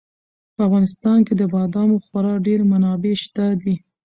په افغانستان کې د بادامو خورا ډېرې منابع شته دي.